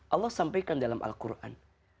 allah sampaikan dalam al quran